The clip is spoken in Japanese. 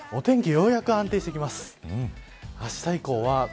ようやく安定してきます。